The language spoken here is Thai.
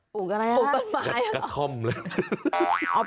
ปลูกอะไรล่ะกัดค่อมเหรอปลูกต้นไม้หรอ